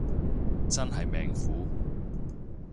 真係命苦